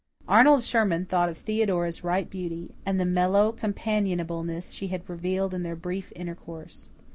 Arnold Sherman thought of Theodora's ripe beauty, and the mellow companionableness she had revealed in their brief intercourse.